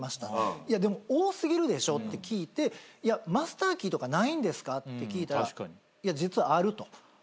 いやでも多過ぎるでしょって聞いていやマスターキーとかないんですか？って聞いたらいや実はあると。